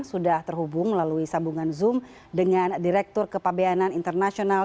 sudah terhubung melalui sambungan zoom dengan direktur kepabeanan internasional